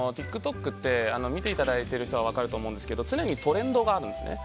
ＴｉｋＴｏｋって見ていただいている人は分かると思うんですけど常にトレンドがあるんですね。